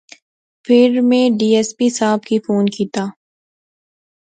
فیر میں ڈی ایس پی صاحب کی فون کیتیا